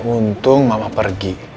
untung mama pergi